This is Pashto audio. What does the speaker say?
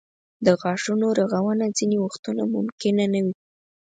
د غاښونو رغونه ځینې وختونه ممکنه نه وي.